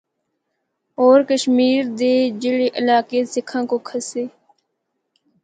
ہور کشمیر دے جڑے علاقے سکھاں کو کھسّے۔